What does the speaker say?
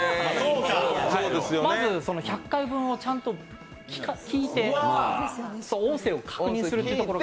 まず１００回分をちゃんと聞いて音声を確認するというところが。